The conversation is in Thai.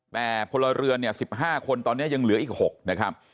แปรโทรเรือ๑๕คนตอนนี้ยังเหลืออีก๖นะครับ